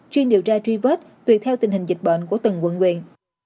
chuyên điều tra tri vết tuyệt theo tình hình dịch bệnh của từng quận quyền